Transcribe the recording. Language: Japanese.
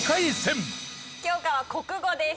教科は国語です。